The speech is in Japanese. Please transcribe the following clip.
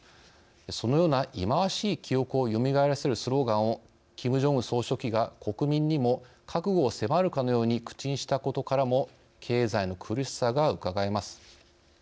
そのような忌まわしい記憶をよみがえらせるスローガンをキム・ジョンウン総書記が国民にも覚悟を迫るかのように口にしたことからも経済の苦しさがうかがえます。